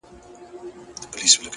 هره لحظه د نوې ودې امکان لري؛